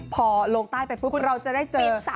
พอลงใต้ไปปุ๊บเราจะได้เจอ